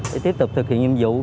để tiếp tục thực hiện nhiệm vụ